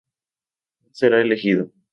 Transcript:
No será elegido.